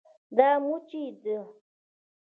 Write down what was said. دا مچي ده